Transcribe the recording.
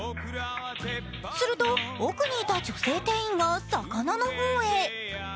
すると奥にいた女性店員が魚の方へ。